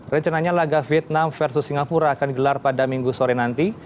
rencananya laga vietnam versus singapura akan gelar pada minggu sore nanti